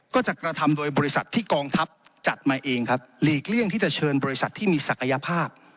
กระทำโดยบริษัทที่กองทัพจัดมาเองครับหลีกเลี่ยงที่จะเชิญบริษัทที่มีศักยภาพ